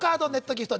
ギフト